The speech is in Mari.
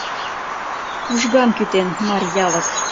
Ужгам кӱтен — Марьялык